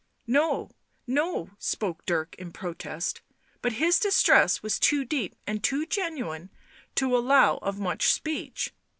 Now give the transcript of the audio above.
" No — no," spoke Dirk in protest, but his distress was too deep and too genuine to allow of much speech.